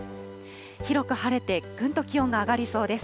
広く晴れて、ぐんと気温が上がりそうです。